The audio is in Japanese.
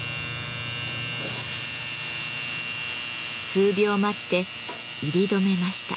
数秒待って煎り止めました。